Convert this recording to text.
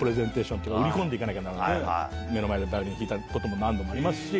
目の前でバイオリン弾いたこと何度もありますし。